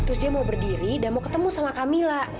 terus dia mau berdiri dan mau ketemu sama camilla